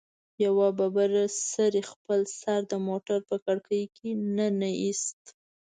يوه ببر سري خپل سر د موټر په کړکۍ ننه ايست.